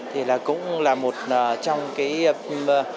thì cũng là một trong những công tác